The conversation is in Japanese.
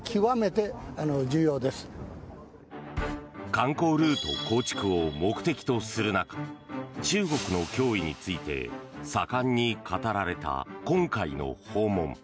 観光ルート構築を目的とする中中国の脅威について盛んに語られた今回の訪問。